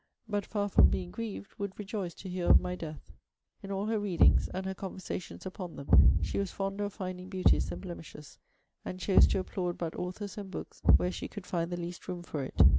but, far from being grieved, would rejoice to hear of my death.' In all her readings, and her conversations upon them, she was fonder of finding beauties than blemishes, and chose to applaud but authors and books, where she could find the least room for it.